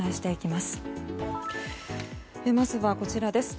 まずはこちらです。